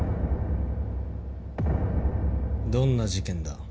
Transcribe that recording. どんな事件だ？